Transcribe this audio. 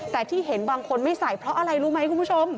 แต่ที่เห็นบางคนไม่ใส่เพราะอะไรรู้ไหมคุณผู้ชม